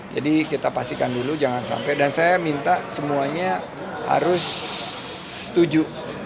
jadi kita pastikan dulu jangan sampai dan saya minta semuanya harus setuju